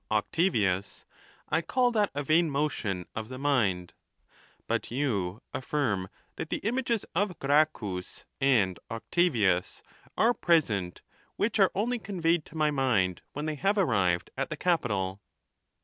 Octaviua, I call that a vain motion of the mind : but you affirm that the images of Gracchus and Octavius are present, which are only conveyed to my mind when they have arrived at the Capitol.